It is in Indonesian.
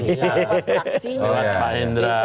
misalnya ketua fraksinya